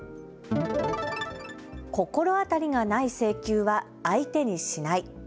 心当たりがない請求は相手にしない。